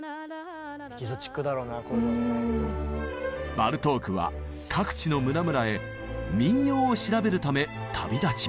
バルトークは各地の村々へ民謡を調べるため旅立ちます。